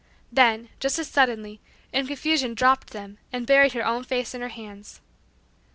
Then, just as suddenly, in confusion she dropped them and buried her own face in her hands.